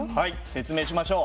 説明しましょう。